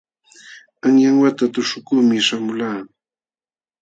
Qanyan wata tuśhukuqmi śhamulqaa.